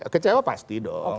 kecewa pasti dong